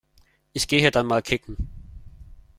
Ich gehe dann mal kicken.